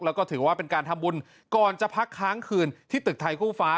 แล้วก็ถือว่าเป็นการทำบุญก่อนจะพักค้างคืนที่ตึกไทยคู่ฟ้า